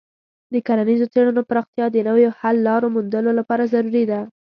د کرنیزو څیړنو پراختیا د نویو حل لارو موندلو لپاره ضروري ده.